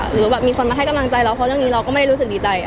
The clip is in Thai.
หรือแบบมีคนมาให้กำลังใจเราเพราะเรื่องนี้เราก็ไม่ได้รู้สึกดีใจ